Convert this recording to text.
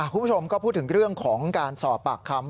คุณผู้ชมก็พูดถึงเรื่องของการสอบปากคำ